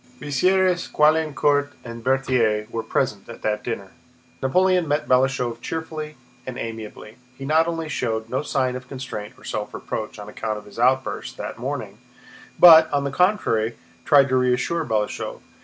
Bessières, Caulaincourt, and Berthier were present at that dinner. Napoleon met Balashëv cheerfully and amiably. He not only showed no sign of constraint or self reproach on account of his outburst that morning, but, on the contrary, tried to reassure Balashëv.